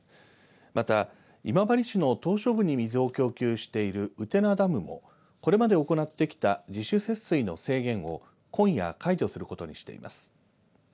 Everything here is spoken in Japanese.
また、今治市の島しょ部に水を供給している台ダムもこれまで行ってきた自主節水の制限を今夜解除することにしています。